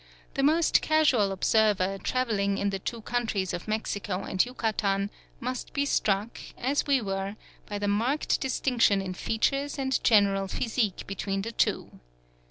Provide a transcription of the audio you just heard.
The most casual observer, travelling in the two countries of Mexico and Yucatan, must be struck, as were we, by the marked distinction in features and general physique between the two.